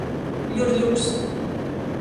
Ļurļuks.